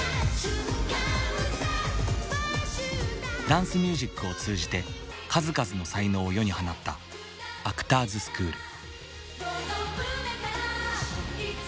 ダンスミュージックを通じて数々の才能を世に放ったアクターズスクール。